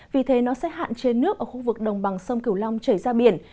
vì thế nó sẽ hạn chế nước ở khu vực đồng bằng sông cửu long chảy ra biển